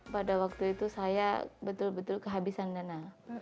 pada waktu itu saya betul betul kehabisan dana